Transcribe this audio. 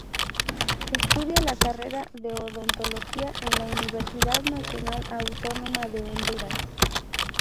Estudia la carrera de odontología en la Universidad Nacional Autónoma de Honduras.